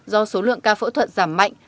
do số lượng ca phẫu thuận giảm mạnh